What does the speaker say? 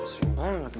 serip banget yuk